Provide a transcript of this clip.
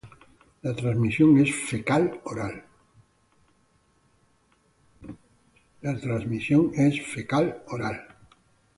La transmisión es fecal-oral.